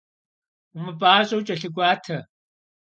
Умыпӏащӏэу кӏэлъыкӏуатэ.